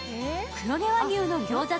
黒毛和牛の餃子